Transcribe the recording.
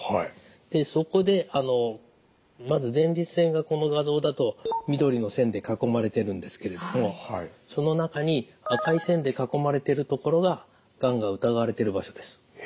そこでまず前立腺がこの画像だと緑の線で囲まれてるんですけれどもその中に赤い線で囲まれてる所ががんが疑われてる場所です。